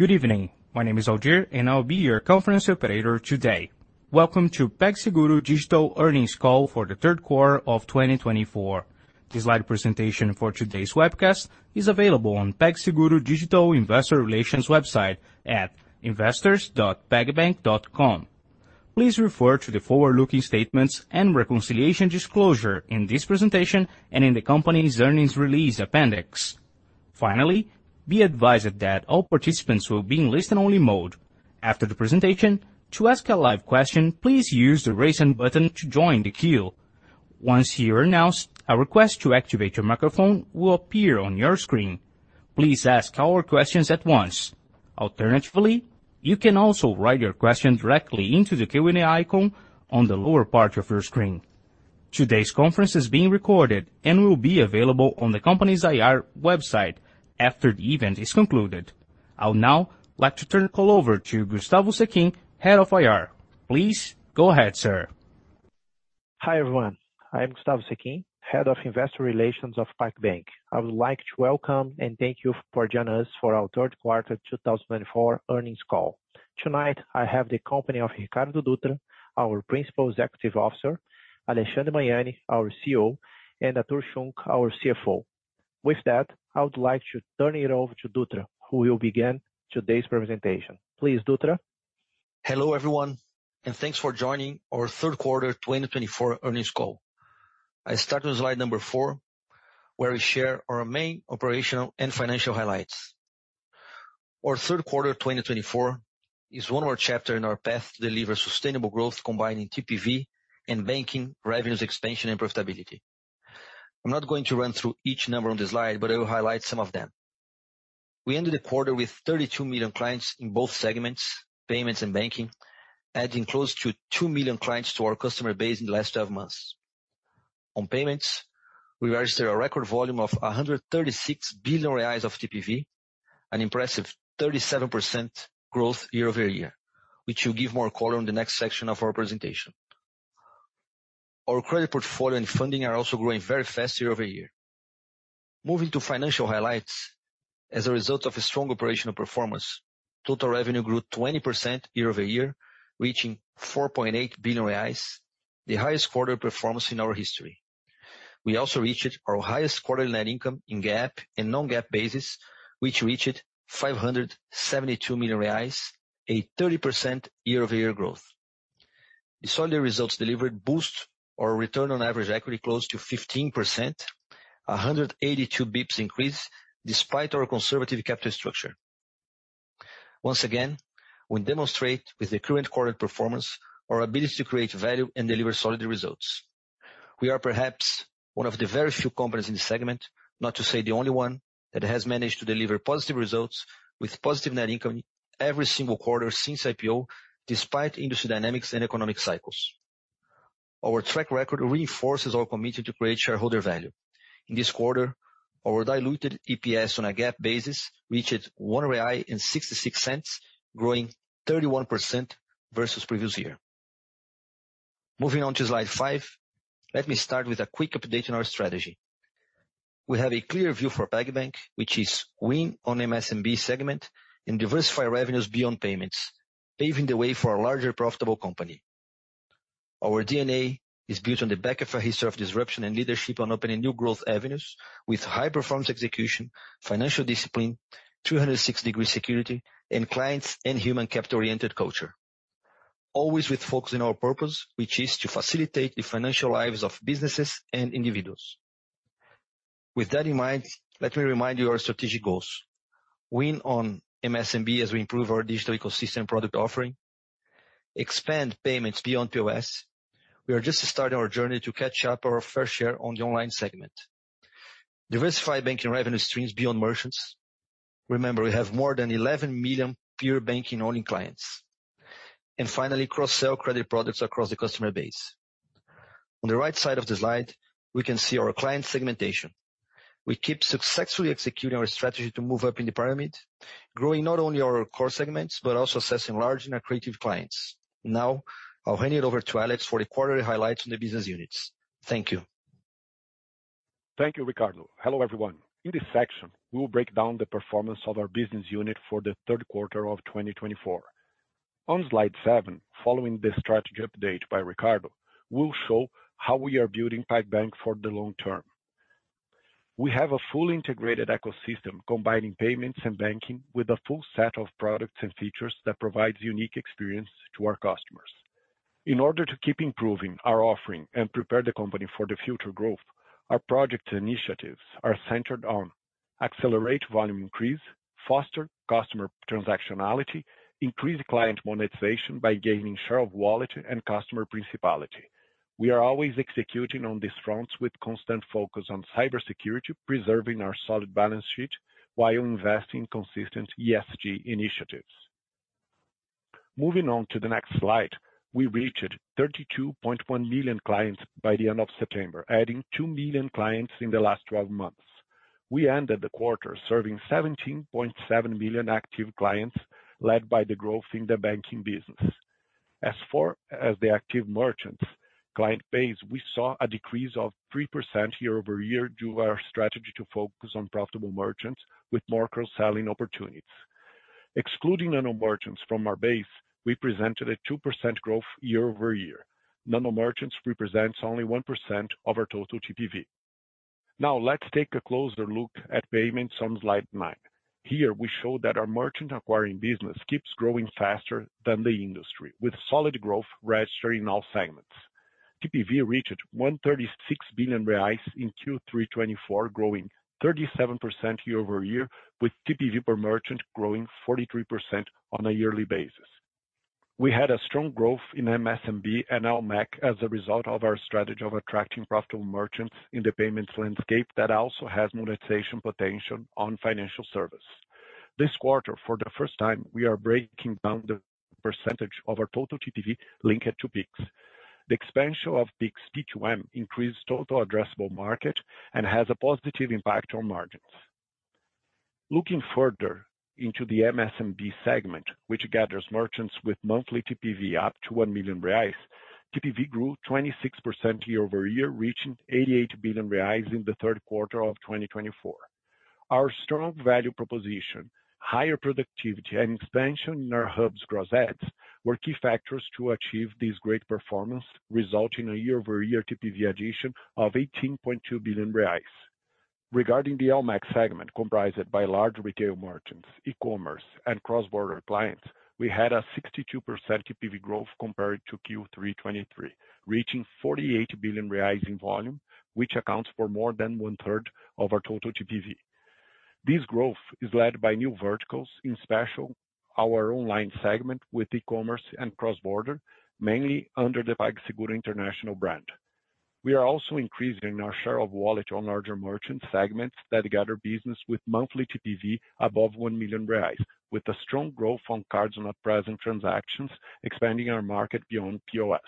Good evening. My name is Algiers, and I'll be your conference operator today. Welcome to PagSeguro Digital Earnings Call For The Third Quarter Of 2024. This live presentation for today's webcast is available on PagSeguro Digital Investor Relations website at investors.pagbank.com. Please refer to the forward-looking statements and reconciliation disclosure in this presentation and in the company's earnings release appendix. Finally, be advised that all participants will be in listen-only mode. After the presentation, to ask a live question, please use the raise-hand button to join the queue. Once you are announced, a request to activate your microphone will appear on your screen. Please ask all your questions at once. Alternatively, you can also write your question directly into the Q&A icon on the lower part of your screen. Today's conference is being recorded and will be available on the company's IR website after the event is concluded. I would now like to turn the call over to Gustavo Sechin, Head of IR. Please go ahead, sir. Hi everyone. I am Gustavo Sechin, Head of Investor Relations of PagBank. I would like to welcome and thank you for joining us for our third quarter 2024 earnings call. Tonight, I have the company of Ricardo Dutra, our Principal Executive Officer, Alexandre Magnani, our CEO, and Artur Schunck, our CFO. With that, I would like to turn it over to Dutra, who will begin today's presentation. Please, Dutra. Hello everyone, and thanks for joining our third quarter 2024 earnings call. I start with slide number four, where we share our main operational and financial highlights. Our third quarter 2024 is one more chapter in our path to deliver sustainable growth, combining TPV and banking revenues expansion and profitability. I'm not going to run through each number on the slide, but I will highlight some of them. We ended the quarter with 32 million clients in both segments, payments and banking, adding close to 2 million clients to our customer base in the last 12 months. On payments, we registered a record volume of 136 billion reais of TPV, an impressive 37% growth year-over-year, which will give more color on the next section of our presentation. Our credit portfolio and funding are also growing very fast year-over-year. Moving to financial highlights, as a result of strong operational performance, total revenue grew 20% year-over-year, reaching 4.8 billion reais, the highest quarter performance in our history. We also reached our highest quarterly net income in GAAP and non-GAAP bases, which reached 572 million reais, a 30% year-over-year growth. The solid results delivered boosted our return on average equity close to 15%, a 182 basis points increase despite our conservative capital structure. Once again, we demonstrate with the current quarter performance our ability to create value and deliver solid results. We are perhaps one of the very few companies in the segment, not to say the only one, that has managed to deliver positive results with positive net income every single quarter since IPO, despite industry dynamics and economic cycles. Our track record reinforces our commitment to create shareholder value. In this quarter, our diluted EPS on a GAAP basis reached 1.66, growing 31% versus previous year. Moving on to slide five, let me start with a quick update on our strategy. We have a clear view for PagBank, which is win on MS&B segment and diversify revenues beyond payments, paving the way for a larger profitable company. Our DNA is built on the back of a history of disruption and leadership on opening new growth avenues with high-performance execution, financial discipline, 360-degree security, and clients and human capital-oriented culture. Always with focus on our purpose, which is to facilitate the financial lives of businesses and individuals. With that in mind, let me remind you our strategic goals: win on MS&B as we improve our digital ecosystem and product offering; expand payments beyond POS. We are just starting our journey to catch up our fair share on the online segment, diversify banking revenue streams beyond merchants. Remember, we have more than 11 million pure banking-only clients, and finally, cross-sell credit products across the customer base. On the right side of the slide, we can see our client segmentation. We keep successfully executing our strategy to move up in the pyramid, growing not only our core segments but also assessing large and creative clients. Now, I'll hand it over to Alex for the quarterly highlights on the business units. Thank you. Thank you, Ricardo. Hello everyone. In this section, we will break down the performance of our business unit for the third quarter of 2024. On slide seven, following the strategy update by Ricardo, we'll show how we are building PagBank for the long term. We have a fully integrated ecosystem combining payments and banking with a full set of products and features that provide a unique experience to our customers. In order to keep improving our offering and prepare the company for the future growth, our project initiatives are centered on accelerating volume increase, fostering customer transactionality, and increasing client monetization by gaining share of quality and customer principality. We are always executing on these fronts with constant focus on cybersecurity, preserving our solid balance sheet while investing in consistent ESG initiatives. Moving on to the next slide, we reached 32.1 million clients by the end of September, adding 2 million clients in the last 12 months. We ended the quarter serving 17.7 million active clients, led by the growth in the banking business. As far as the active merchants' client base, we saw a decrease of 3% year-over-year due to our strategy to focus on profitable merchants with more cross-selling opportunities. Excluding non-merchants from our base, we presented a 2% growth year-over-year. Non-merchants represent only 1% of our total TPV. Now, let's take a closer look at payments on slide nine. Here, we show that our merchant acquiring business keeps growing faster than the industry, with solid growth registered in all segments. TPV reached 136 billion reais in Q3 2024, growing 37% year-over-year, with TPV per merchant growing 43% on a yearly basis. We had a strong growth in MS&B and LMEC as a result of our strategy of attracting profitable merchants in the payments landscape that also has monetization potential on financial service. This quarter, for the first time, we are breaking down the percentage of our total TPV linked to Pix. The expansion of Pix P2M increased total addressable market and has a positive impact on margins. Looking further into the MS&B segment, which gathers merchants with monthly TPV up to one million BRL, TPV grew 26% year-over-year, reaching 88 billion reais in the third quarter of 2024. Our strong value proposition, higher productivity, and expansion in our hubs' gross adds were key factors to achieve this great performance, resulting in a year-over-year TPV addition of 18.2 billion reais. Regarding the LMEC segment comprised by large retail merchants, e-commerce, and cross-border clients, we had a 62% TPV growth compared to Q3 2023, reaching 48 billion reais in volume, which accounts for more than one-third of our total TPV. This growth is led by new verticals, especially our online segment with e-commerce and cross-border, mainly under the PagSeguro International brand. We are also increasing our share of wallet on larger merchant segments that gather business with monthly TPV above 1 million reais, with a strong growth on cards on our present transactions, expanding our market beyond POS.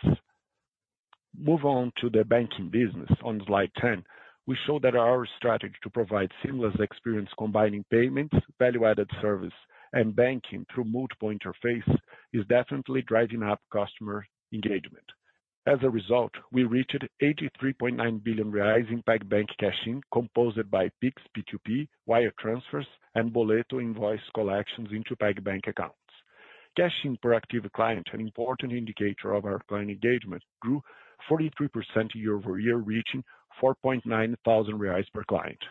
Moving on to the banking business, on slide 10, we show that our strategy to provide seamless experience combining payments, value-added service, and banking through multiple interfaces is definitely driving up customer engagement. As a result, we reached 83.9 billion in PagBank cash-in composed by PIX P2P, wire transfers, and Boleto invoice collections into PagBank accounts. Cash-in per active client, an important indicator of our client engagement, grew 43% year-over-year, reaching 4.9 thousand reais per client.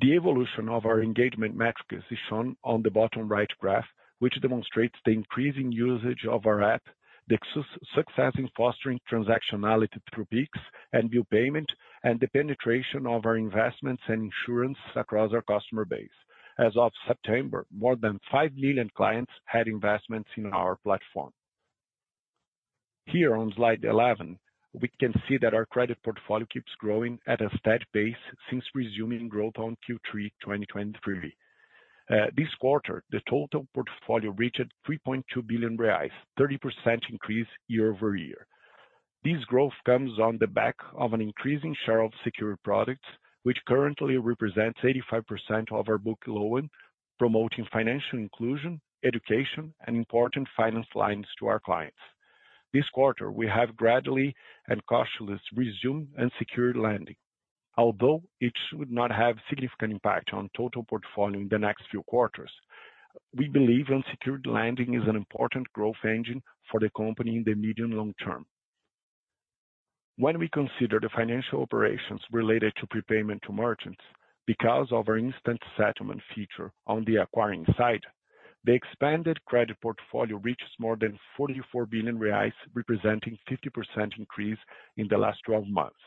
The evolution of our engagement metrics is shown on the bottom right graph, which demonstrates the increasing usage of our app, the success in fostering transactionality through PIX and bill payment, and the penetration of our investments and insurance across our customer base. As of September, more than 5 million clients had investments in our platform. Here, on slide 11, we can see that our credit portfolio keeps growing at a steady pace since resuming growth on Q3 2023. This quarter, the total portfolio reached 3.2 billion reais, a 30% increase year-over-year. This growth comes on the back of an increasing share of secured products, which currently represents 85% of our loan book, promoting financial inclusion, education, and important finance lines to our clients. This quarter, we have gradually and cautiously resumed unsecured lending. Although it should not have a significant impact on the total portfolio in the next few quarters, we believe unsecured lending is an important growth engine for the company in the medium and long term. When we consider the financial operations related to prepayment to merchants, because of our instant settlement feature on the acquiring side, the expanded credit portfolio reaches more than 44 billion reais, representing a 50% increase in the last 12 months.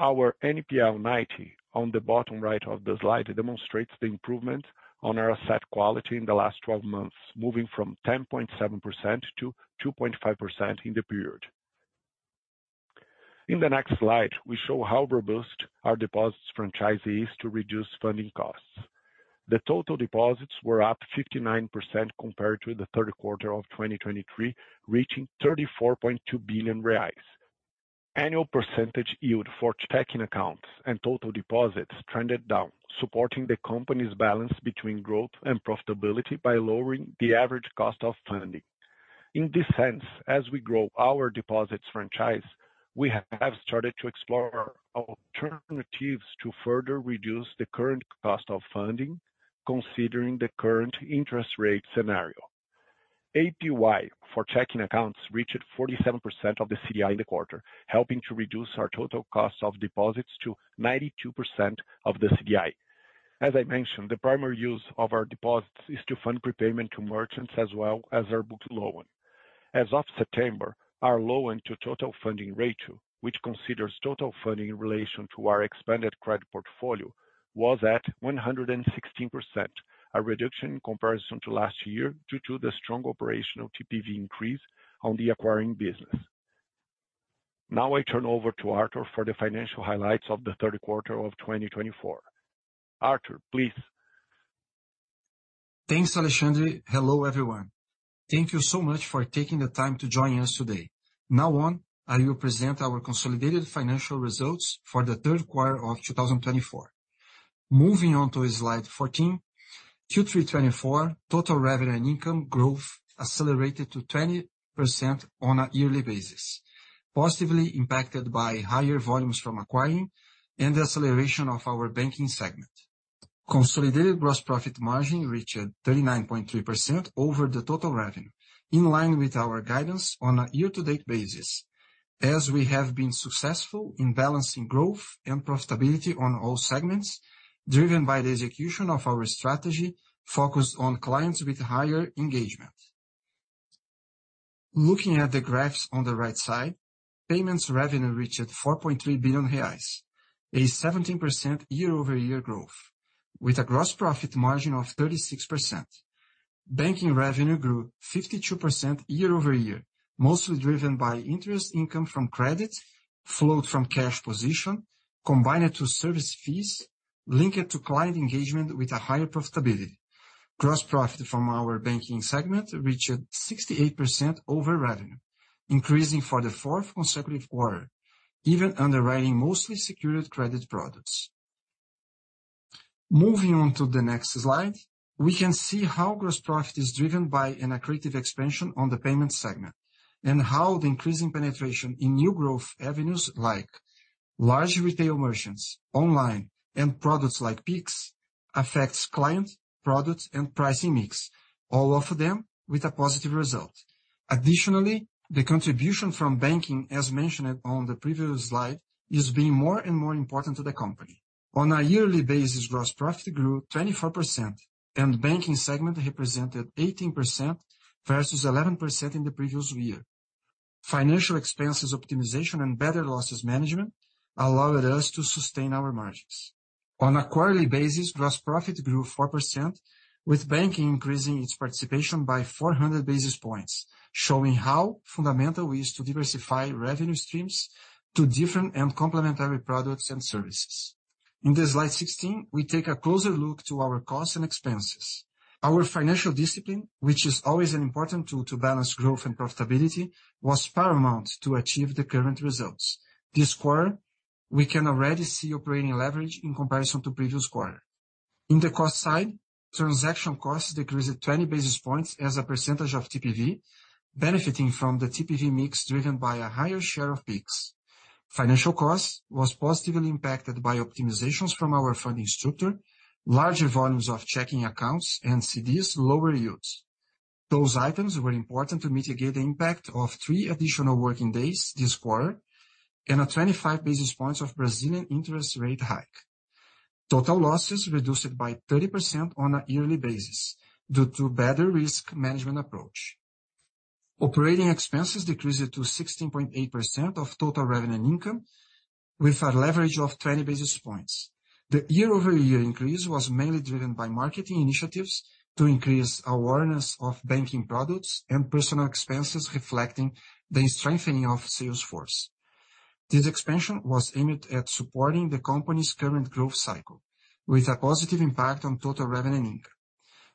Our NPL 90 on the bottom right of the slide demonstrates the improvement on our asset quality in the last 12 months, moving from 10.7% to 2.5% in the period. In the next slide, we show how robust our deposits franchise is to reduce funding costs. The total deposits were up 59% compared to the third quarter of 2023, reaching 34.2 billion reais. Annual percentage yield for checking accounts and total deposits trended down, supporting the company's balance between growth and profitability by lowering the average cost of funding. In this sense, as we grow our deposits franchise, we have started to explore alternatives to further reduce the current cost of funding, considering the current interest rate scenario. APY for checking accounts reached 47% of the CDI in the quarter, helping to reduce our total cost of deposits to 92% of the CDI. As I mentioned, the primary use of our deposits is to fund prepayment to merchants as well as our book loan. As of September, our loan-to-total funding ratio, which considers total funding in relation to our expanded credit portfolio, was at 116%, a reduction in comparison to last year due to the strong operational TPV increase on the acquiring business. Now, I turn over to Artur for the financial highlights of the third quarter of 2024. Artur, please. Thanks, Alexandre. Hello, everyone. Thank you so much for taking the time to join us today. Now on, I will present our consolidated financial results for the third quarter of 2024. Moving on to slide 14, Q3 2024, total revenue and income growth accelerated to 20% on a yearly basis, positively impacted by higher volumes from acquiring and the acceleration of our banking segment. Consolidated gross profit margin reached 39.3% over the total revenue, in line with our guidance on a year-to-date basis, as we have been successful in balancing growth and profitability on all segments, driven by the execution of our strategy focused on clients with higher engagement. Looking at the graphs on the right side, payments revenue reached 4.3 billion reais, a 17% year-over-year growth, with a gross profit margin of 36%. Banking revenue grew 52% year-over-year, mostly driven by interest income from credit flowed from cash position, combined to service fees, linked to client engagement with a higher profitability. Gross profit from our banking segment reached 68% over revenue, increasing for the fourth consecutive quarter, even underwriting mostly secured credit products. Moving on to the next slide, we can see how gross profit is driven by an accretive expansion on the payments segment and how the increasing penetration in new growth avenues like large retail merchants, online, and products like PIX affects client product and pricing mix, all of them with a positive result. Additionally, the contribution from banking, as mentioned on the previous slide, is being more and more important to the company. On a yearly basis, gross profit grew 24%, and banking segment represented 18% versus 11% in the previous year. Financial expenses optimization and better losses management allowed us to sustain our margins. On a quarterly basis, gross profit grew 4%, with banking increasing its participation by 400 basis points, showing how fundamental it is to diversify revenue streams to different and complementary products and services. In the slide 16, we take a closer look to our costs and expenses. Our financial discipline, which is always an important tool to balance growth and profitability, was paramount to achieve the current results. This quarter, we can already see operating leverage in comparison to previous quarter. In the cost side, transaction costs decreased 20 basis points as a percentage of TPV, benefiting from the TPV mix driven by a higher share of Pix. Financial costs were positively impacted by optimizations from our funding structure, larger volumes of checking accounts, and CDI lower yields. Those items were important to mitigate the impact of three additional working days this quarter and a 25 basis points of Brazilian interest rate hike. Total losses reduced by 30% on a yearly basis due to a better risk management approach. Operating expenses decreased to 16.8% of total revenue and income with a leverage of 20 basis points. The year-over-year increase was mainly driven by marketing initiatives to increase awareness of banking products and personnel expenses, reflecting the strengthening of sales force. This expansion was aimed at supporting the company's current growth cycle, with a positive impact on total revenue and income.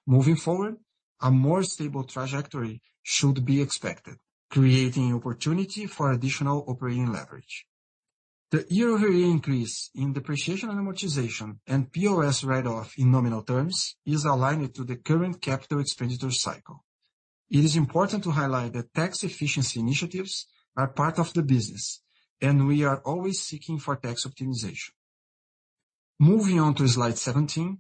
Moving forward, a more stable trajectory should be expected, creating opportunity for additional operating leverage. The year-over-year increase in depreciation and amortization and POS write-off in nominal terms is aligned to the current capital expenditure cycle. It is important to highlight that tax efficiency initiatives are part of the business, and we are always seeking for tax optimization. Moving on to slide 17,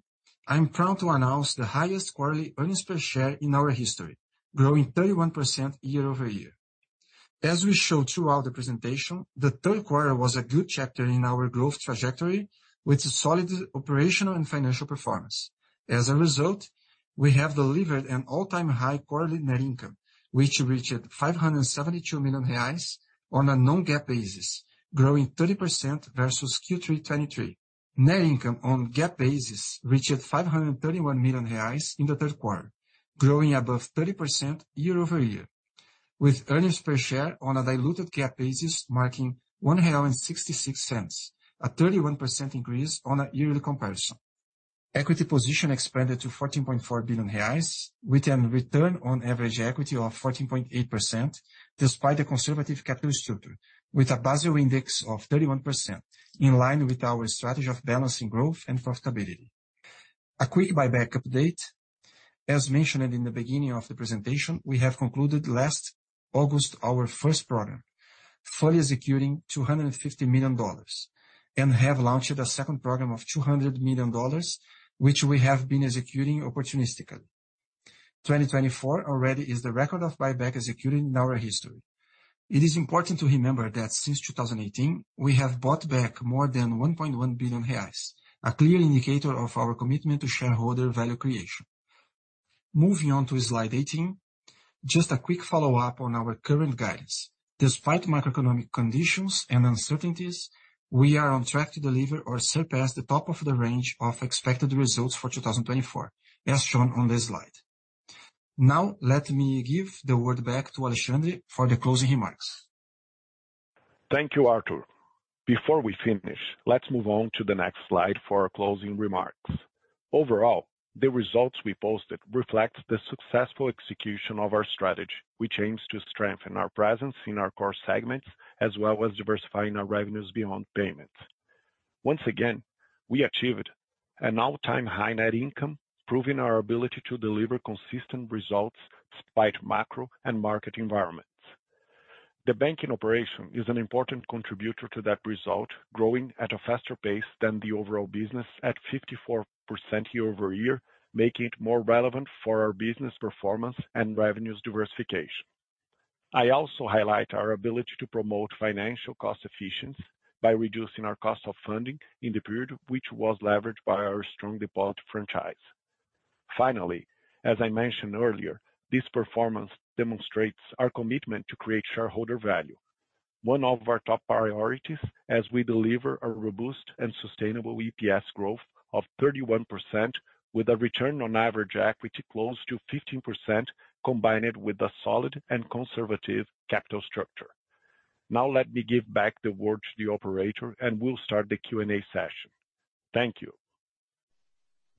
I'm proud to announce the highest quarterly earnings per share in our history, growing 31% year-over-year. As we showed throughout the presentation, the third quarter was a good chapter in our growth trajectory, with solid operational and financial performance. As a result, we have delivered an all-time high quarterly net income, which reached 572 million reais on a non-GAAP basis, growing 30% versus Q3 2023. Net income on GAAP basis reached 531 million reais in the third quarter, growing above 30% year-over-year, with earnings per share on a diluted GAAP basis marking 1.66 real, a 31% increase on a yearly comparison. Equity position expanded to 14.4 billion reais, with a return on average equity of 14.8%, despite the conservative capital structure, with a Basel index of 31%, in line with our strategy of balancing growth and profitability. A quick buyback update. As mentioned in the beginning of the presentation, we have concluded last August our first program, fully executing $250 million, and have launched a second program of $200 million, which we have been executing opportunistically. 2024 already is the record of buyback executed in our history. It is important to remember that since 2018, we have bought back more than 1.1 billion reais, a clear indicator of our commitment to shareholder value creation. Moving on to slide 18, just a quick follow-up on our current guidance. Despite macroeconomic conditions and uncertainties, we are on track to deliver or surpass the top of the range of expected results for 2024, as shown on this slide. Now, let me give the word back to Alexandre for the closing remarks. Thank you, Artur. Before we finish, let's move on to the next slide for our closing remarks. Overall, the results we posted reflect the successful execution of our strategy, which aims to strengthen our presence in our core segments as well as diversifying our revenues beyond payments. Once again, we achieved an all-time high net income, proving our ability to deliver consistent results despite macro and market environments. The banking operation is an important contributor to that result, growing at a faster pace than the overall business at 54% year-over-year, making it more relevant for our business performance and revenues diversification. I also highlight our ability to promote financial cost efficiency by reducing our cost of funding in the period, which was leveraged by our strong deposit franchise. Finally, as I mentioned earlier, this performance demonstrates our commitment to create shareholder value, one of our top priorities as we deliver a robust and sustainable EPS growth of 31%, with a return on average equity close to 15%, combined with a solid and conservative capital structure. Now, let me give back the word to the operator, and we'll start the Q&A session. Thank you.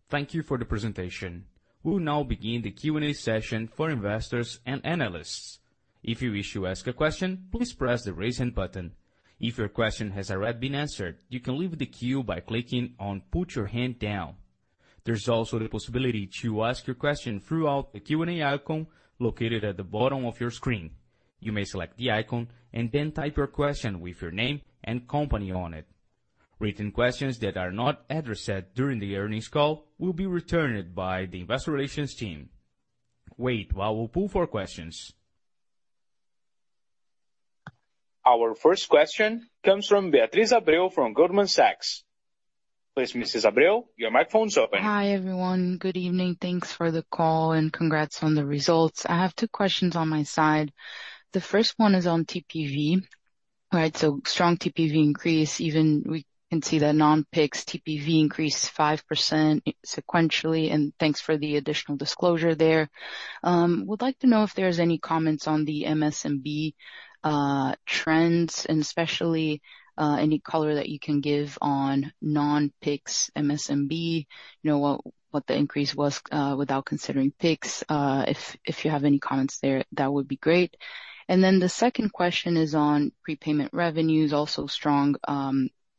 Thank you for the presentation. We'll now begin the Q&A session for investors and analysts. If you wish to ask a question, please press the raise hand button. If your question has already been answered, you can leave the queue by clicking on "Put Your Hand Down." There's also the possibility to ask your question through the Q&A icon located at the bottom of your screen. You may select the icon and then type your question with your name and company on it. Written questions that are not addressed during the earnings call will be returned by the Investor Relations team. Wait while we poll for questions. Our first question comes from Beatriz Abreu from Goldman Sachs. Please, Mrs. Abreu, your microphone is open. Hi, everyone. Good evening. Thanks for the call and congrats on the results. I have two questions on my side. The first one is on TPV, right? So strong TPV increase. Even we can see that non-PIX TPV increased 5% sequentially. And thanks for the additional disclosure there. We'd like to know if there are any comments on the MSMB trends, and especially any color that you can give on non-PIX MSMB, you know, what the increase was without considering PIX. If you have any comments there, that would be great. And then the second question is on prepayment revenues, also strong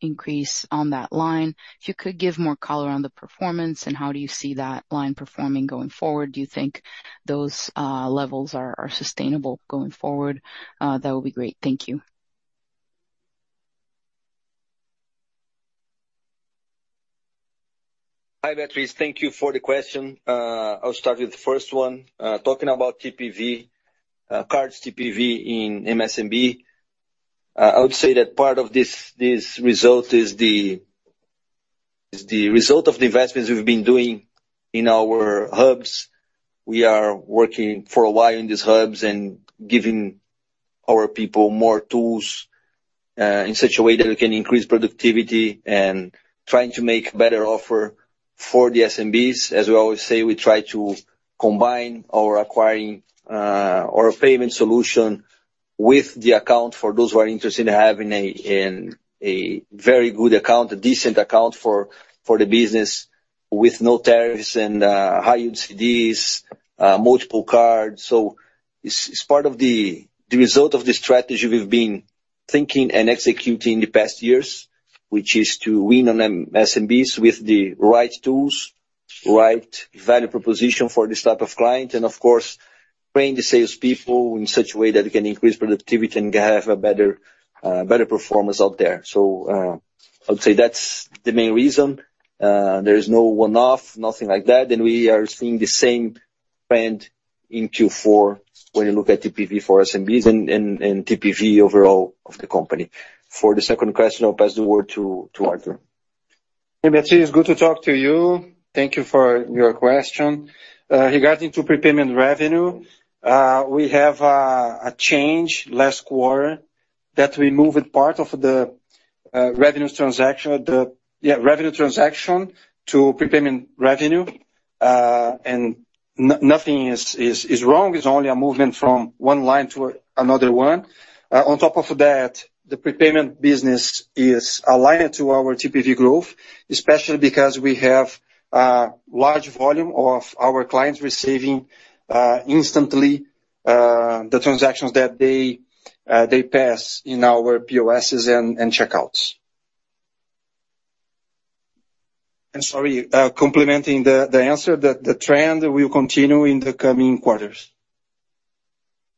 increase on that line. If you could give more color on the performance and how do you see that line performing going forward, do you think those levels are sustainable going forward? That would be great. Thank you. Hi, Beatriz. Thank you for the question. I'll start with the first one. Talking about TPV, card TPV in MSMB, I would say that part of this result is the result of the investments we've been doing in our hubs. We are working for a while in these hubs and giving our people more tools in such a way that we can increase productivity and trying to make a better offer for the SMBs. As we always say, we try to combine our acquiring or payment solution with the account for those who are interested in having a very good account, a decent account for the business with no tariffs and high yield CDs, multiple cards. So it's part of the result of the strategy we've been thinking and executing in the past years, which is to win on MSMBs with the right tools, right value proposition for this type of client, and of course, train the salespeople in such a way that we can increase productivity and have a better performance out there. So I would say that's the main reason. There is no one-off, nothing like that. And we are seeing the same trend in Q4 when you look at TPV for SMBs and TPV overall of the company. For the second question, I'll pass the word to Artur. Hey, Beatriz, good to talk to you. Thank you for your question. Regarding to prepayment revenue, we have a change last quarter that we moved part of the revenue transaction to prepayment revenue, and nothing is wrong. It's only a movement from one line to another one. On top of that, the prepayment business is aligned to our TPV growth, especially because we have a large volume of our clients receiving instantly the transactions that they pass in our POSs and checkouts, and sorry, complementing the answer, the trend will continue in the coming quarters.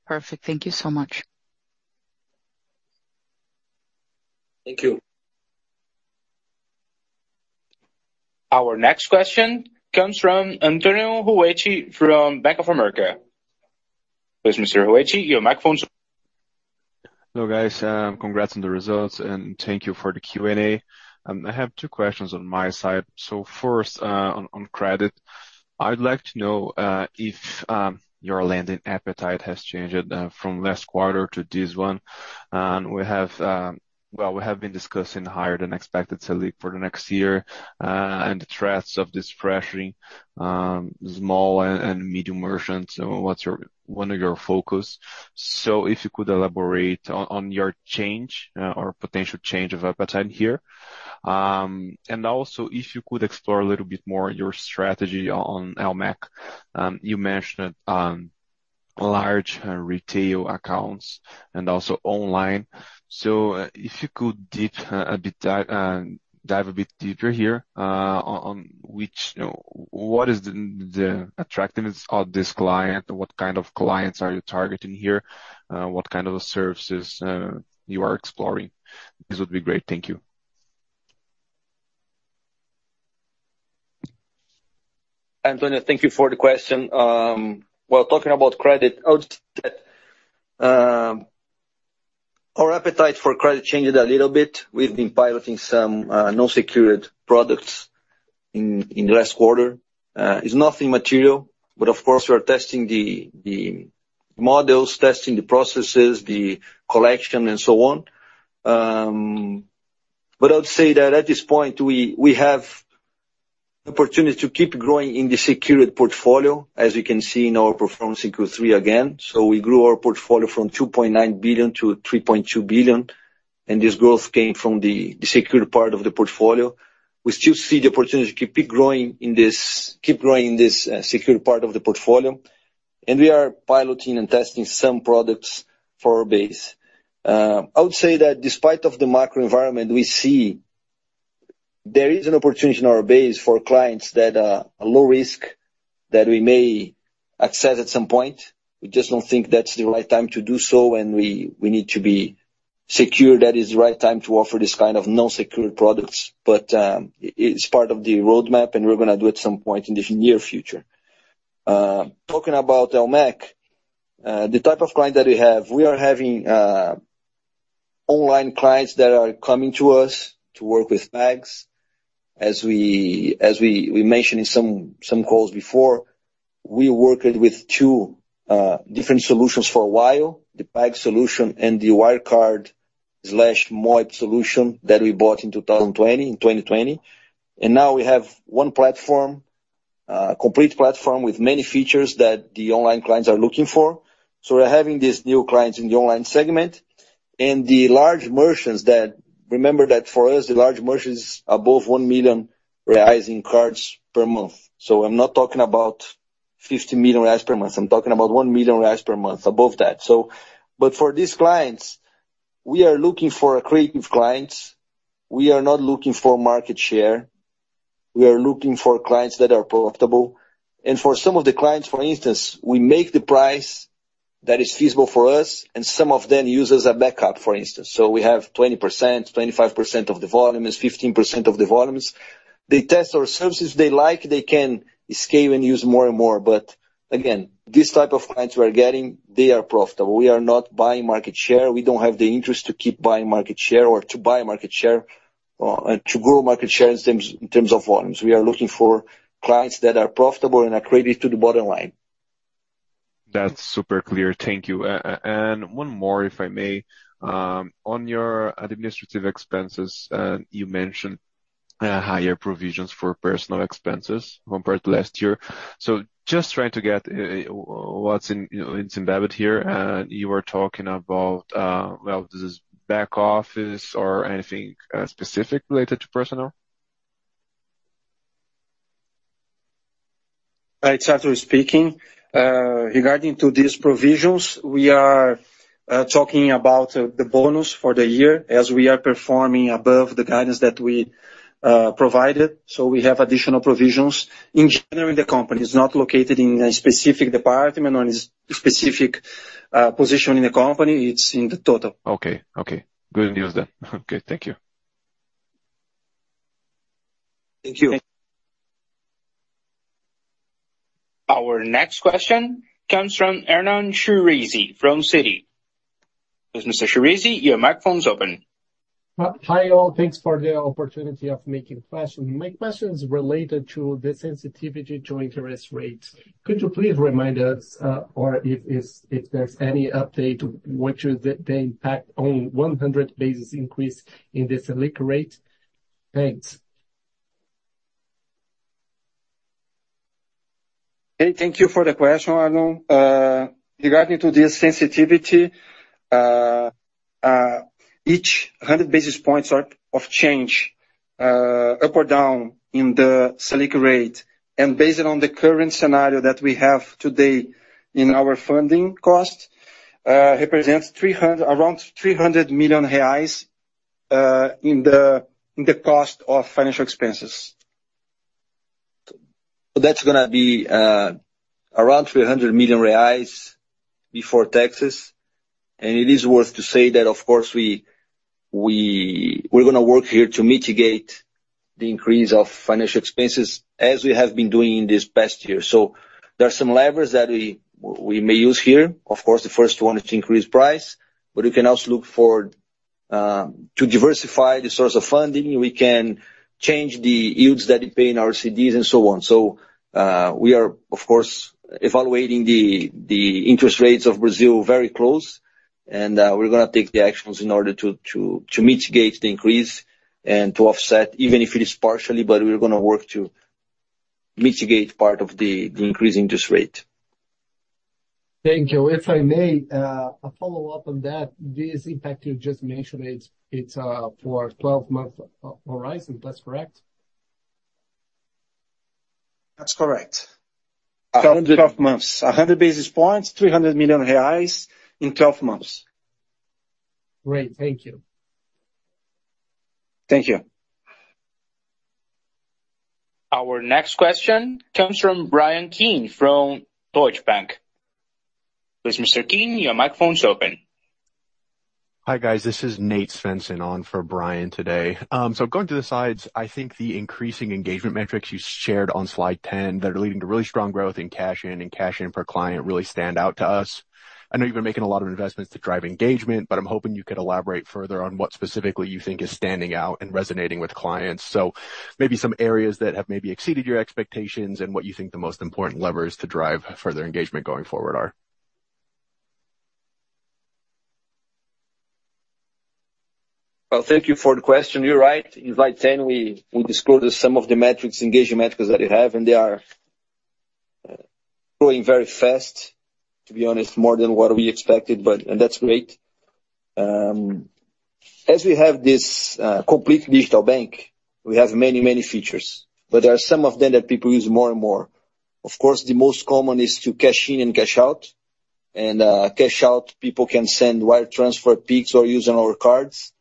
Perfect. Thank you so much. Thank you. Our next question comes from Antonio Rucci from Bank of America. Please, Mr. Rucci, your microphone is on. Hello, guys. Congrats on the results, and thank you for the Q&A. I have two questions on my side. So first, on credit, I'd like to know if your lending appetite has changed from last quarter to this one. We have been discussing higher than expected Selic for the next year and the threats of this pressuring small and medium merchants. What's one of your focus? So if you could elaborate on your change or potential change of appetite here. And also, if you could explore a little bit more your strategy on LMEC. You mentioned large retail accounts and also online. So if you could dive a bit deeper here, what is the attractiveness of this client? What kind of clients are you targeting here? What kind of services you are exploring? This would be great. Thank you. Antonio, thank you for the question. While talking about credit, our appetite for credit changed a little bit. We've been piloting some non-secured products in the last quarter. It's nothing material, but of course, we are testing the models, testing the processes, the collection, and so on. But I would say that at this point, we have the opportunity to keep growing in the secured portfolio, as you can see in our performance in Q3 again. So we grew our portfolio from 2.9 billion to 3.2 billion. And this growth came from the secured part of the portfolio. We still see the opportunity to keep growing in this, keep growing in this secured part of the portfolio. And we are piloting and testing some products for our base. I would say that despite the macro environment we see, there is an opportunity in our base for clients that are low risk that we may access at some point. We just don't think that's the right time to do so, and we need to be secure that it's the right time to offer this kind of unsecured products. But it's part of the roadmap, and we're going to do it at some point in the near future. Talking about LMEC, the type of client that we have, we are having online clients that are coming to us to work with Pags. As we mentioned in some calls before, we worked with two different solutions for a while, the Pag solution and the Wirecard/Moip solution that we bought in 2020, in 2020. Now we have one platform, a complete platform with many features that the online clients are looking for. We're having these new clients in the online segment. The large merchants, remember that for us, the large merchants are above 1 million reais in cards per month. I'm not talking about 15 million reais per month. I'm talking about 1 million reais per month above that. But for these clients, we are looking for creative clients. We are not looking for market share. We are looking for clients that are profitable. For some of the clients, for instance, we make the price that is feasible for us, and some of them use as a backup, for instance. We have 20%, 25% of the volumes, 15% of the volumes. They test our services. They like, they can scale and use more and more. But again, this type of clients we are getting; they are profitable. We are not buying market share. We don't have the interest to keep buying market share or to buy market share and to grow market share in terms of volumes. We are looking for clients that are profitable and accrete to the bottom line. That's super clear. Thank you, and one more, if I may. On your administrative expenses, you mentioned higher provisions for personnel expenses compared to last year, so just trying to get what's embedded here. You were talking about, well, this is back office or anything specific related to personnel? It's Artur speaking. Regarding to these provisions, we are talking about the bonus for the year as we are performing above the guidance that we provided. So we have additional provisions. In general, the company is not located in a specific department or in a specific position in the company. It's in the total. Okay. Okay. Good news then. Okay. Thank you. Thank you. Our next question comes from Arnon Shirazi from Citi. Mr. Shirazi, your microphone is open. Hi, all. Thanks for the opportunity of making questions. My question is related to the sensitivity to interest rates. Could you please remind us or if there's any update to what you think the impact on 100 basis points increase in this Selic rate? Thanks. Hey, thank you for the question, Arnon. Regarding to this sensitivity, each 100 basis points of change up or down in the Selic rate, and based on the current scenario that we have today in our funding cost, represents around 300 million reais in the cost of financial expenses. So that's going to be around 300 million reais before taxes. It is worth to say that, of course, we're going to work here to mitigate the increase of financial expenses as we have been doing in this past year. So there are some levers that we may use here. Of course, the first one is to increase price, but we can also look for to diversify the source of funding. We can change the yields that we pay in our CDs and so on. We are, of course, evaluating the interest rates of Brazil very closely, and we're going to take the actions in order to mitigate the increase and to offset, even if it is partially, but we're going to work to mitigate part of the increase in interest rate. Thank you. If I may, a follow-up on that, this impact you just mentioned, it's for a 12-month horizon. That's correct? That's correct. 12 months. 100 basis points, 300 million reais in 12 months. Great. Thank you. Thank you. Our next question comes from Brian Keane from Deutsche Bank. Please, Mr. Keane, your microphone is open. Hi guys. This is Nate Svensson on for Brian today, so going to the sides, I think the increasing engagement metrics you shared on slide 10 that are leading to really strong growth in cash in and cash in per client really stand out to us. I know you've been making a lot of investments to drive engagement, but I'm hoping you could elaborate further on what specifically you think is standing out and resonating with clients, so maybe some areas that have maybe exceeded your expectations and what you think the most important levers to drive further engagement going forward are? Well, thank you for the question. You're right. In Slide 10, we disclosed some of the engagement metrics that we have, and they are growing very fast, to be honest, more than what we expected, and that's great. As we have this complete digital bank, we have many, many features, but there are some of them that people use more and more. Of course, the most common is to cash in and cash out. And cash out, people can send wire transfers, Pix or use on our cards.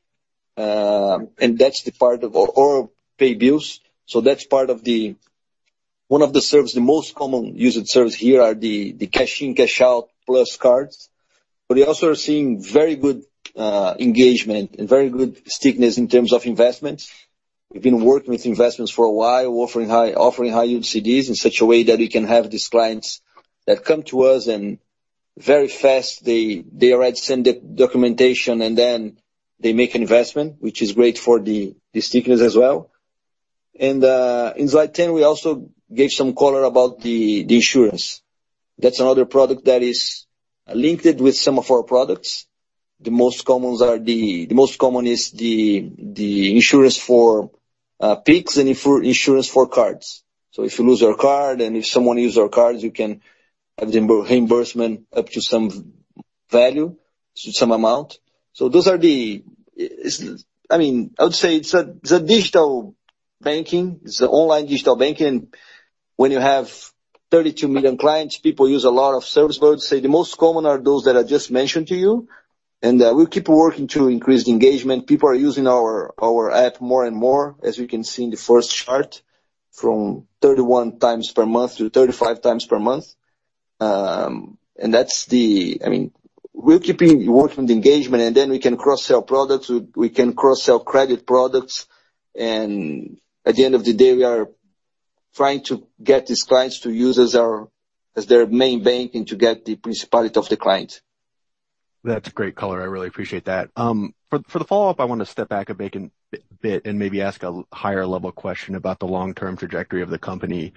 And that's the part of our pay bills. So that's part of one of the most common used services here are the cash in, cash out, plus cards. But we also are seeing very good engagement and very good stickiness in terms of investments. We've been working with investments for a while, offering high-yield CDs in such a way that we can have these clients that come to us, and very fast, they already send the documentation, and then they make an investment, which is great for the stickiness as well. And in slide 10, we also gave some color about the insurance. That's another product that is linked with some of our products. The most common is the insurance for Pix and insurance for cards. So if you lose your card and if someone uses your card, you can have the reimbursement up to some value, to some amount. So those are the, I mean, I would say it's a digital banking. It's an online digital banking. And when you have 32 million clients, people use a lot of services. But I would say the most common are those that I just mentioned to you. And we keep working to increase the engagement. People are using our app more and more, as you can see in the first chart, from 31 times per month to 35 times per month. And that's the, I mean, we're keeping working with engagement, and then we can cross-sell products. We can cross-sell credit products. And at the end of the day, we are trying to get these clients to use as their main bank and to get the principality of the client. That's great color. I really appreciate that. For the follow-up, I want to step back a bit and maybe ask a higher-level question about the long-term trajectory of the company.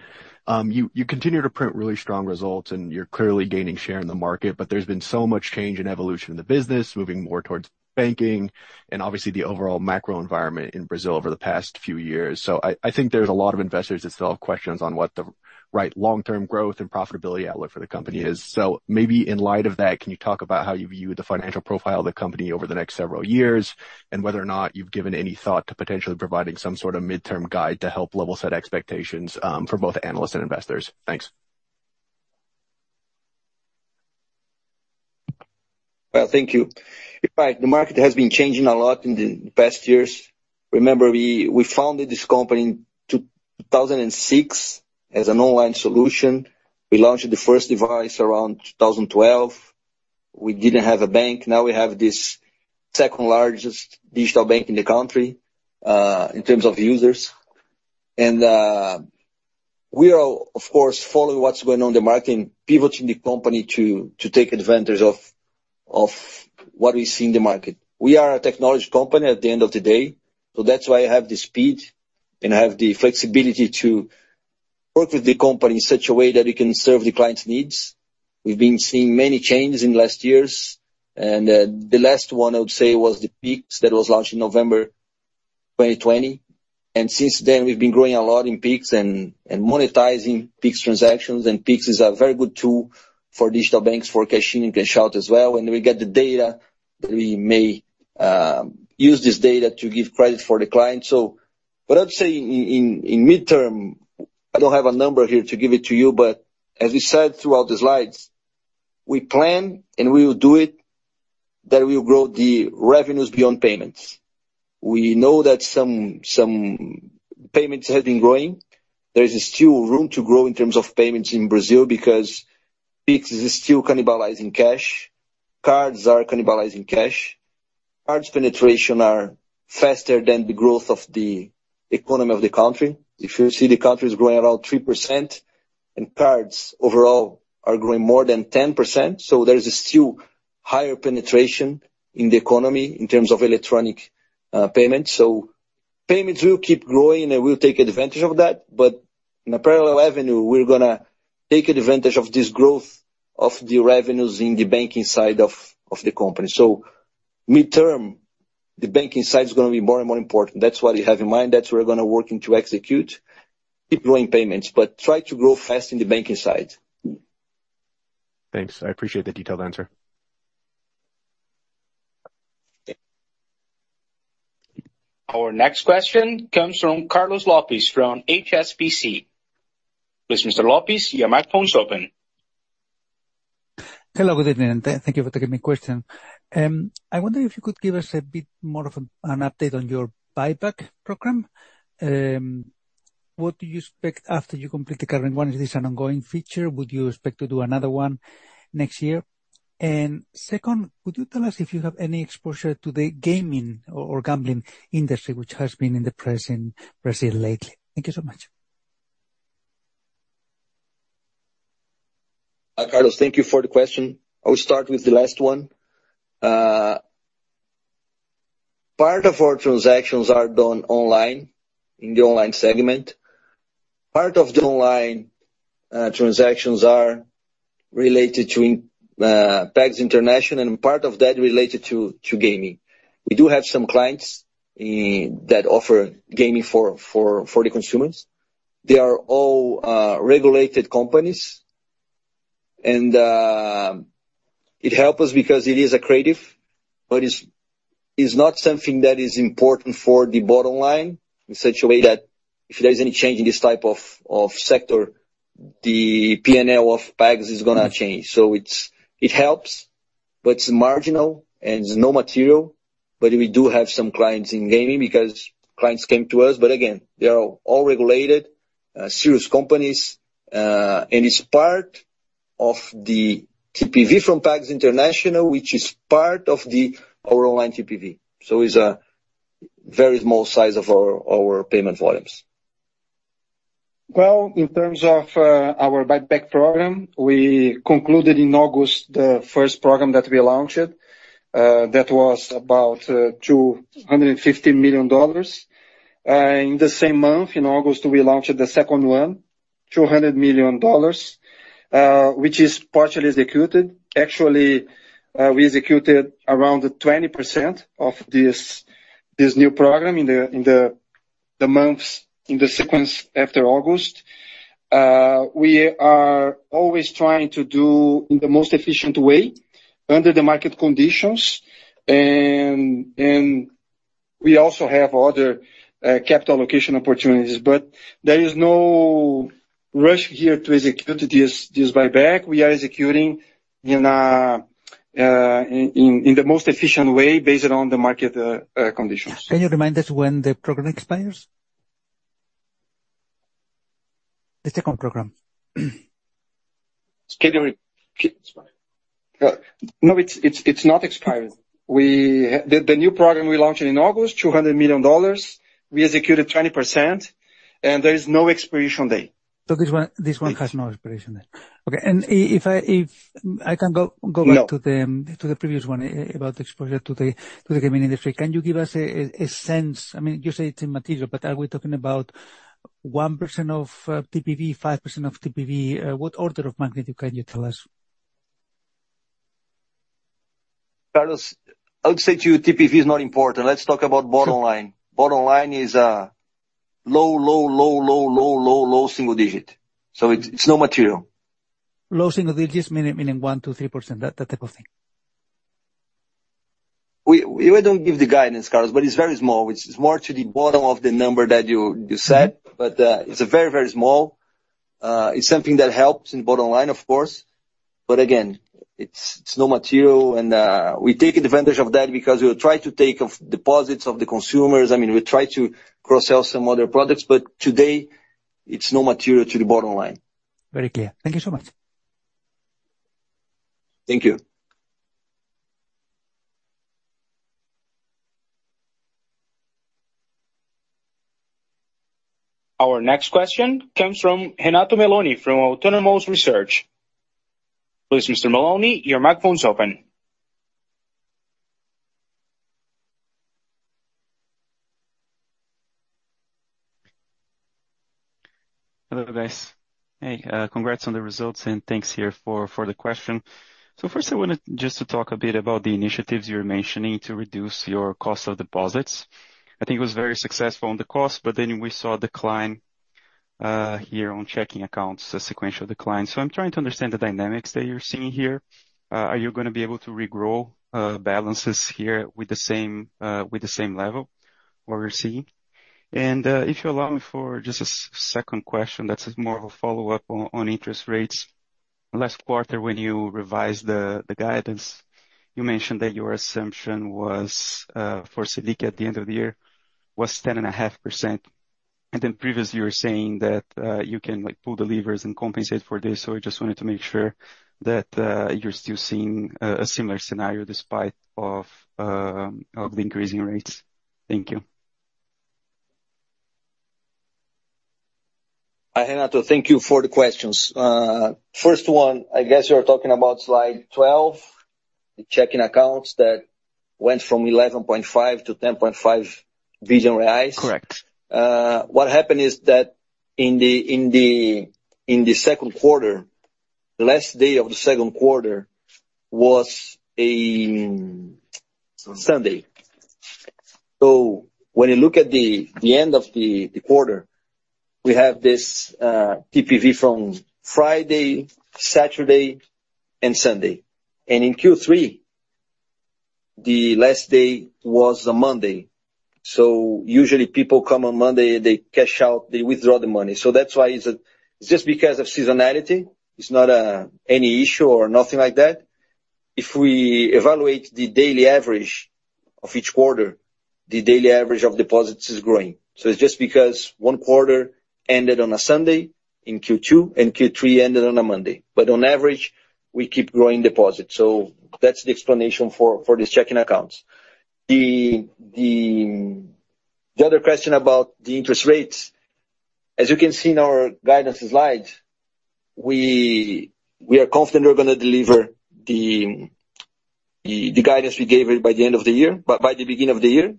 You continue to print really strong results, and you're clearly gaining share in the market, but there's been so much change and evolution in the business, moving more towards banking and obviously the overall macro environment in Brazil over the past few years. So I think there's a lot of investors that still have questions on what the right long-term growth and profitability outlook for the company is. So maybe in light of that, can you talk about how you view the financial profile of the company over the next several years and whether or not you've given any thought to potentially providing some sort of midterm guide to help level-set expectations for both analysts and investors? Thanks. Thank you. In fact, the market has been changing a lot in the past years. Remember, we founded this company in 2006 as an online solution. We launched the first device around 2012. We didn't have a bank. Now we have this second-largest digital bank in the country in terms of users. And we are, of course, following what's going on in the market and pivoting the company to take advantage of what we see in the market. We are a technology company at the end of the day. So that's why I have the speed and I have the flexibility to work with the company in such a way that we can serve the client's needs. We've been seeing many changes in the last years. And the last one, I would say, was the Pix that was launched in November 2020. Since then, we've been growing a lot in Pix and monetizing Pix transactions. Pix is a very good tool for digital banks for cash in and cash out as well. We get the data, and we may use this data to give credit for the client. So what I would say in midterm, I don't have a number here to give it to you, but as we said throughout the slides, we plan and we will do it that we will grow the revenues beyond payments. We know that some payments have been growing. There is still room to grow in terms of payments in Brazil because Pix is still cannibalizing cash. Cards are cannibalizing cash. Cards penetration are faster than the growth of the economy of the country. If you see the country is growing around 3%, and cards overall are growing more than 10%. So there is still higher penetration in the economy in terms of electronic payments. So payments will keep growing, and we'll take advantage of that. But in a parallel avenue, we're going to take advantage of this growth of the revenues in the banking side of the company. So midterm, the banking side is going to be more and more important. That's what we have in mind. That's what we're going to work to execute, keep growing payments, but try to grow fast in the banking side. Thanks. I appreciate the detailed answer. Our next question comes from Carlos Gomez-Lopez from HSBC. Please, Mr. Lopez, your microphone is open. Hello, good evening. Thank you for taking my question. I wonder if you could give us a bit more of an update on your buyback program. What do you expect after you complete the current one? Is this an ongoing feature? Would you expect to do another one next year? And second, could you tell us if you have any exposure to the gaming or gambling industry, which has been in the press in Brazil lately? Thank you so much. Carlos, thank you for the question. I will start with the last one. Part of our transactions are done online in the online segment. Part of the online transactions are related to PagSeguro International, and part of that related to gaming. We do have some clients that offer gaming for the consumers. They are all regulated companies. And it helps us because it is a key area, but it's not something that is important for the bottom line in such a way that if there's any change in this type of sector, the P&L of PagSeguro is going to change. So it helps, but it's marginal, and it's not material. But we do have some clients in gaming because clients came to us. But again, they are all regulated, serious companies. And it's part of the TPV from PagSeguro International, which is part of our online TPV. It's a very small size of our payment volumes. In terms of our buyback program, we concluded in August the first program that we launched that was about $250 million. In the same month, in August, we launched the second one, $200 million, which is partially executed. Actually, we executed around 20% of this new program in the months in the sequence after August. We are always trying to do in the most efficient way under the market conditions. We also have other capital allocation opportunities. There is no rush here to execute this buyback. We are executing in the most efficient way based on the market conditions. Can you remind us when the program expires? The second program. No, it's not expired. The new program we launched in August, $200 million. We executed 20%, and there is no expiration date. So this one has no expiration date. Okay. And if I can go back to the previous one about the exposure to the gaming industry, can you give us a sense? I mean, you say it's immaterial, but are we talking about 1% of TPV, 5% of TPV? What order of magnitude can you tell us? Carlos, I would say to you, TPV is not important. Let's talk about bottom line. Bottom line is low, low, low, low, low, low, low single digit. So it's no material. Low single digit, meaning 1, 2, 3%, that type of thing. We don't give the guidance, Carlos, but it's very small. It's more to the bottom of the number that you said, but it's very, very small. It's something that helps in the bottom line, of course. But again, it's not material, and we take advantage of that because we will try to take deposits of the consumers. I mean, we try to cross-sell some other products, but today, it's not material to the bottom line. Very clear. Thank you so much. Thank you. Our next question comes from Renato Meloni from Autonomous Research. Please, Mr. Meloni, your microphone is open. Hello, guys. Hey, congrats on the results, and thanks here for the question. So first, I wanted just to talk a bit about the initiatives you're mentioning to reduce your cost of deposits. I think it was very successful on the cost, but then we saw a decline here on checking accounts, a sequential decline. So I'm trying to understand the dynamics that you're seeing here. Are you going to be able to regrow balances here with the same level or receive? And if you allow me for just a second question, that's more of a follow-up on interest rates. Last quarter, when you revised the guidance, you mentioned that your assumption for CDI at the end of the year was 10.5%. And then previously, you were saying that you can pull the levers and compensate for this. So I just wanted to make sure that you're still seeing a similar scenario despite the increasing rates. Thank you. Renato, thank you for the questions. First one, I guess you're talking about slide 12, the checking accounts that went from 11.5 billion to 10.5 billion reais. What happened is that in the second quarter, the last day of the second quarter was a Sunday, so when you look at the end of the quarter, we have this TPV from Friday, Saturday, and Sunday, and in Q3, the last day was a Monday, so usually, people come on Monday, and they cash out, they withdraw the money, so that's why it's just because of seasonality. It's not any issue or nothing like that. If we evaluate the daily average of each quarter, the daily average of deposits is growing, so it's just because one quarter ended on a Sunday in Q2, and Q3 ended on a Monday, but on average, we keep growing deposits. So that's the explanation for these checking accounts. The other question about the interest rates, as you can see in our guidance slides, we are confident we're going to deliver the guidance we gave by the end of the year, by the beginning of the year.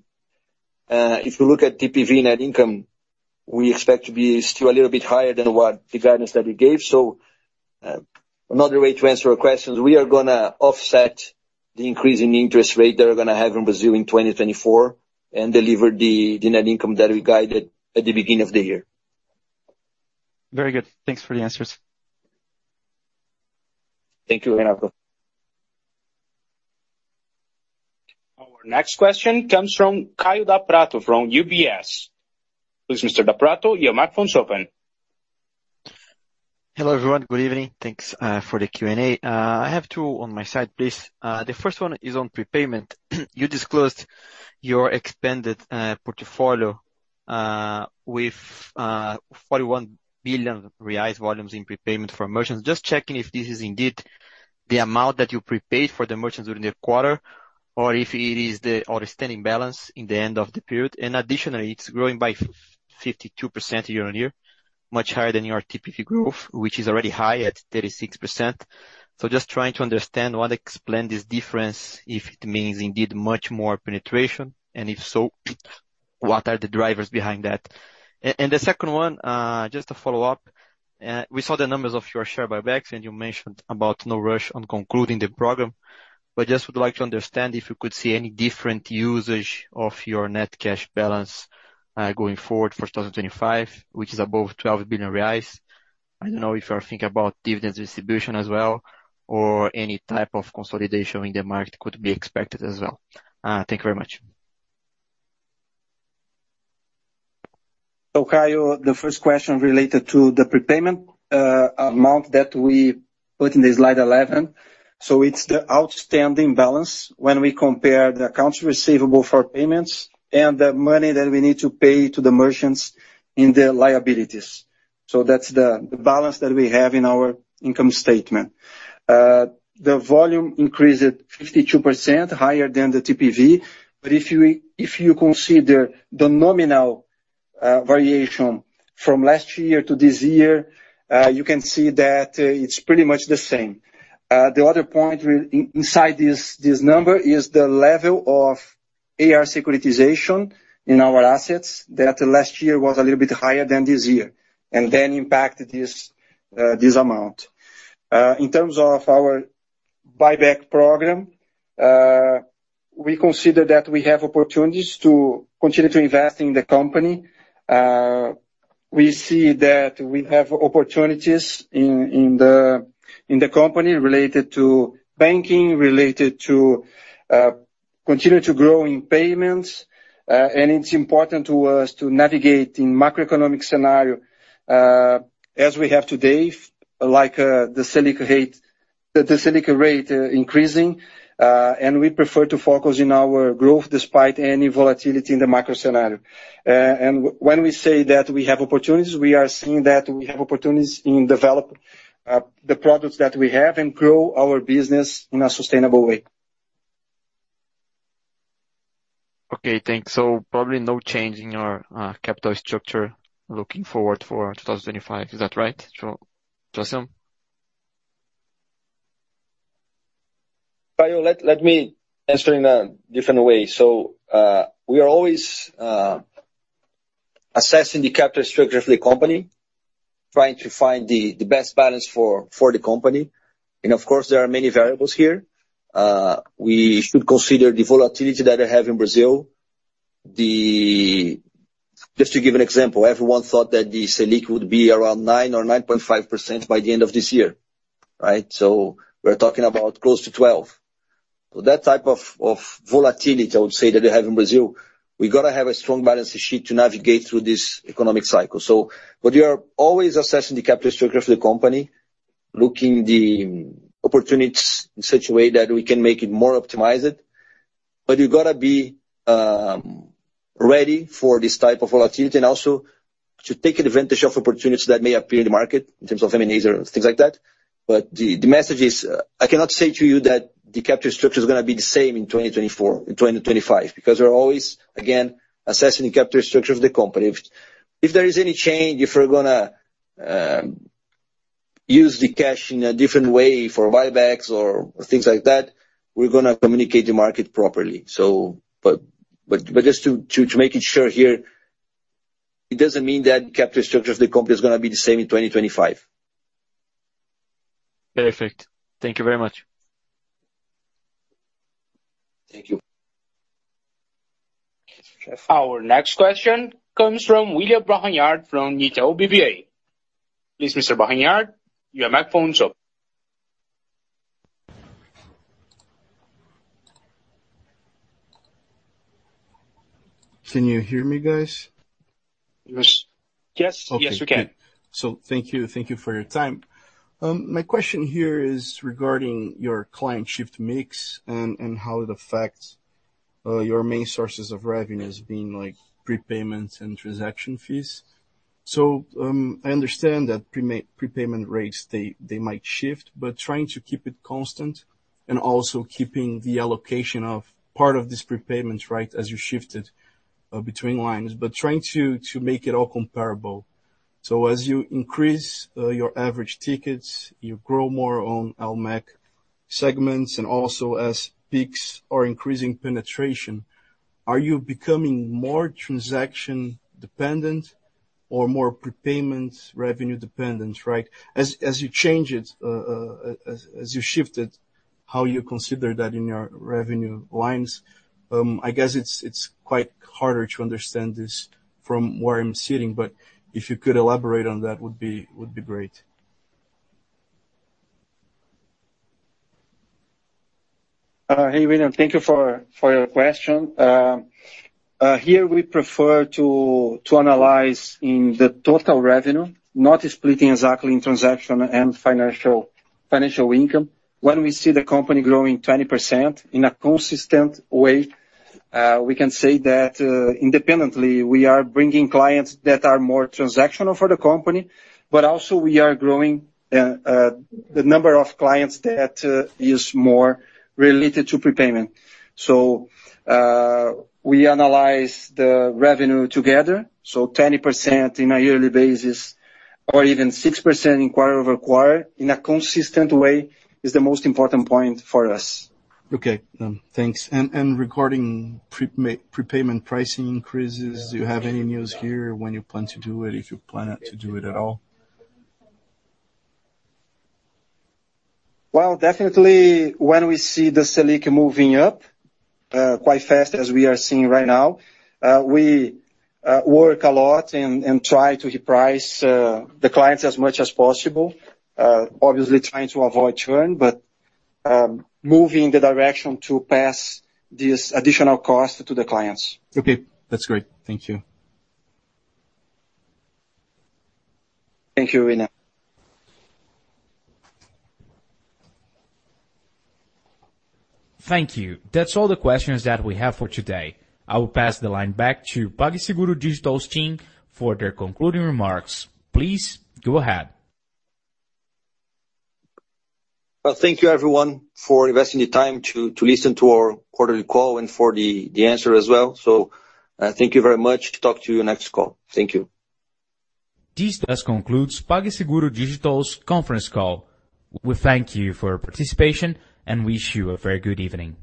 If you look at TPV net income, we expect to be still a little bit higher than the guidance that we gave. So another way to answer your questions, we are going to offset the increase in interest rate that we're going to have in Brazil in 2024 and deliver the net income that we guided at the beginning of the year. Very good. Thanks for the answers. Thank you, Renato. Our next question comes from Kaio Da Prato from UBS. Please, Mr. Da Prato, your microphone is open. Hello, everyone. Good evening. Thanks for the Q&A. I have two on my side, please. The first one is on prepayment. You disclosed your expanded portfolio with 41 billion reais volumes in prepayment for merchants. Just checking if this is indeed the amount that you prepaid for the merchants during the quarter or if it is the outstanding balance in the end of the period. And additionally, it's growing by 52% year on year, much higher than your TPV growth, which is already high at 36%. So just trying to understand what explains this difference, if it means indeed much more penetration, and if so, what are the drivers behind that? And the second one, just to follow up, we saw the numbers of your share buybacks, and you mentioned about no rush on concluding the program. But just would like to understand if you could see any different usage of your net cash balance going forward for 2025, which is above 12 billion reais. I don't know if you're thinking about dividend distribution as well or any type of consolidation in the market could be expected as well. Thank you very much. Kaio, the first question related to the prepayment amount that we put in the slide 11. It's the outstanding balance when we compare the accounts receivable for payments and the money that we need to pay to the merchants in the liabilities. That's the balance that we have in our income statement. The volume increased 52%, higher than the TPV. But if you consider the nominal variation from last year to this year, you can see that it's pretty much the same. The other point inside this number is the level of AR securitization in our assets that last year was a little bit higher than this year, and then impacted this amount. In terms of our buyback program, we consider that we have opportunities to continue to invest in the company. We see that we have opportunities in the company related to banking, related to continue to grow in payments. It's important to us to navigate in macroeconomic scenario as we have today, like the Selic rate increasing. We prefer to focus on our growth despite any volatility in the macro scenario. When we say that we have opportunities, we are seeing that we have opportunities in developing the products that we have and grow our business in a sustainable way. Okay. Thanks. So probably no change in your capital structure looking forward for 2025. Is that right? So. Assume? Kaio, let me answer in a different way. So we are always assessing the capital structure of the company, trying to find the best balance for the company. And of course, there are many variables here. We should consider the volatility that I have in Brazil. Just to give an example, everyone thought that the Selic would be around 9% or 9.5% by the end of this year, right? So we're talking about close to 12%. So that type of volatility, I would say, that you have in Brazil, we got to have a strong balance sheet to navigate through this economic cycle. So we are always assessing the capital structure of the company, looking at the opportunities in such a way that we can make it more optimized. But you got to be ready for this type of volatility and also to take advantage of opportunities that may appear in the market in terms of M&As or things like that. But the message is, I cannot say to you that the capital structure is going to be the same in 2024, in 2025, because we're always, again, assessing the capital structure of the company. If there is any change, if we're going to use the cash in a different way for buybacks or things like that, we're going to communicate the market properly. But just to make it sure here, it doesn't mean that the capital structure of the company is going to be the same in 2025. Perfect. Thank you very much. Thank you. Our next question comes from William Barranjard from Itaú BBA. Please, Mr. Barranjard, your microphone is up. Can you hear me, guys? Yes. Yes. Yes, we can. Okay. So thank you for your time. My question here is regarding your client shift mix and how it affects your main sources of revenues being prepayments and transaction fees. So I understand that prepayment rates, they might shift, but trying to keep it constant and also keeping the allocation of part of these prepayments, right, as you shifted between lines, but trying to make it all comparable. So as you increase your average tickets, you grow more on LMEC segments, and also as Pix are increasing penetration, are you becoming more transaction-dependent or more prepayment revenue-dependent, right? As you change it, as you shift it, how you consider that in your revenue lines, I guess it's quite harder to understand this from where I'm sitting, but if you could elaborate on that would be great. Hey, William, thank you for your question. Here, we prefer to analyze in the total revenue, not splitting exactly in transaction and financial income. When we see the company growing 20% in a consistent way, we can say that independently, we are bringing clients that are more transactional for the company, but also we are growing the number of clients that is more related to prepayment. So we analyze the revenue together. So 20% in a yearly basis or even 6% in quarter over quarter in a consistent way is the most important point for us. Okay. Thanks. And regarding prepayment pricing increases, do you have any news here when you plan to do it, if you plan to do it at all? Definitely, when we see the Selic moving up quite fast, as we are seeing right now, we work a lot and try to reprice the clients as much as possible, obviously trying to avoid churn, but moving the direction to pass this additional cost to the clients. Okay. That's great. Thank you. Thank you, Renato. Thank you. That's all the questions that we have for today. I will pass the line back to PagSeguro Digital's team for their concluding remarks. Please go ahead. Thank you, everyone, for investing the time to listen to our quarterly call and for the answer as well. Thank you very much. Talk to you next call. Thank you. This concludes PagSeguro Digital's conference call. We thank you for your participation, and we wish you a very good evening.